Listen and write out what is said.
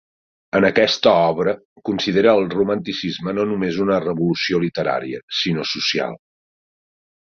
En aquesta obra considera al Romanticisme no només una revolució literària sinó social.